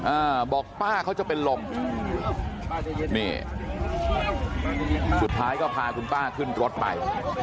อ่าบอกป้าเขาจะเป็นลมนี่สุดท้ายก็พาคุณป้าขึ้นรถไป